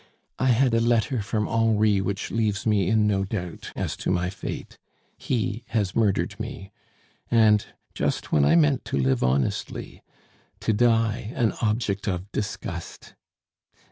"I had a letter from Henri which leaves me in no doubt as to my fate. He has murdered me. And just when I meant to live honestly to die an object of disgust!